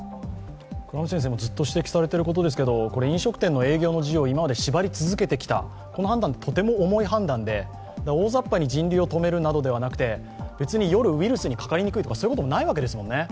倉持先生もずっと指摘されていることですけれども、飲食店の営業の事業を縛り続けてきたこの判断はとても重い判断で、大ざっぱに人流を止めるということではなく、夜だからウイルスにかかりやすいというわけではないわけですもんね。